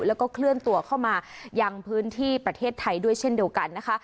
แล้วก็เคลื่อนตัวเข้ามายังพื้นที่ประเทศไทยด้วยเช่นเดียวกันนะคะ